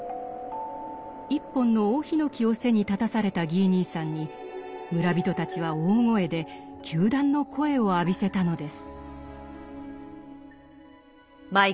一本の大檜を背に立たされたギー兄さんに村人たちは大声で糾弾の声を浴びせたのです。